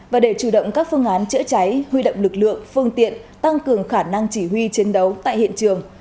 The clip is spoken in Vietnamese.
và để chủ động các phương án chữa cháy huy động lực lượng phương tiện tăng cường khả năng chỉ huy chiến đấu tại hiện trường